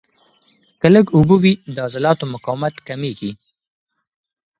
که لږ اوبه وي، د عضلاتو مقاومت کمېږي.